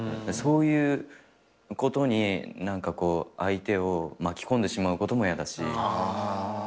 そういうことに何かこう相手を巻き込んでしまうこともやだし。